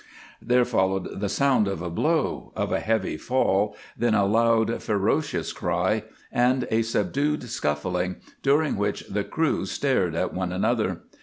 There followed the sound of a blow, of a heavy fall, then a loud, ferocious cry, and a subdued scuffling, during which the crew stared at one another.